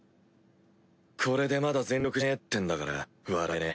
これでまだ全力じゃねえってんだから笑えねぇ。